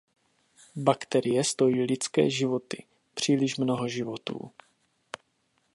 Bakterie stojí lidské životy, příliš mnoho životů.